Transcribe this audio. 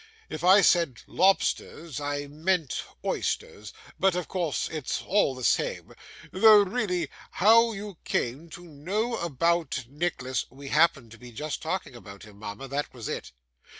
If I said lobsters, I meant oysters, but of course it's all the same, though really how you came to know about Nicholas ' 'We happened to be just talking about him, mama; that was it.